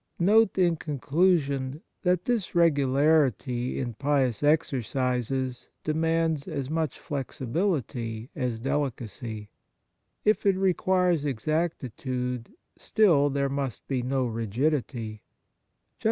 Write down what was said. Note, in conclusion, that this regu larity in pious exercises demands as 7* On Piety much flexibility as delicacy. If it requires exactitude, still, there must be no rigidity.